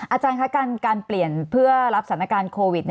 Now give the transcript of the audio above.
อาจารย์คะการเปลี่ยนเพื่อรับสถานการณ์โควิด